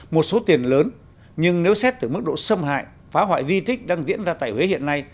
một số tiền lớn nhưng nếu xét từ mức độ xâm hại phá hoại di tích đang diễn ra tại huế hiện nay